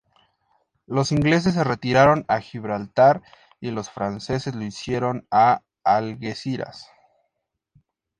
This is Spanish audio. Los ingleses se retiraron a Gibraltar y los franceses lo hicieron a Algeciras.